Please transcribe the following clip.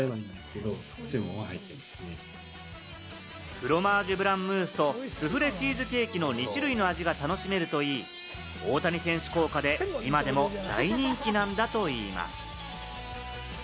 フロマージュブランムースとスフレチーズケーキの２種類の味が楽しめるといい、大谷選手効果で今でも大人気だといいます。